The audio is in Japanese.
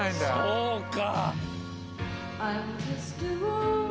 そうか！